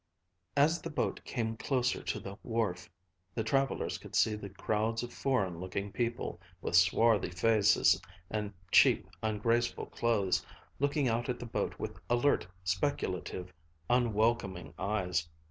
As the boat came closer to the wharf, the travelers could see the crowds of foreign looking people, with swarthy faces and cheap, ungraceful clothes, looking out at the boat with alert, speculative, unwelcoming eyes.